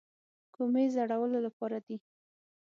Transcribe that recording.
کومې زړولو لپاره دي.